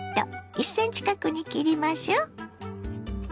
１ｃｍ角に切りましょ。